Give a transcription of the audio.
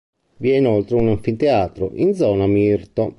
Vi è inoltre un anfiteatro in zona Mirto.